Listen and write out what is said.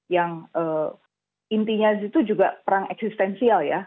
yang intinya itu juga perang eksistensial ya